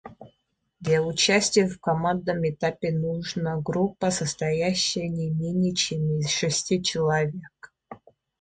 Для участия в командном этапе нужна группа, состоящая не менее, чем из шести человек.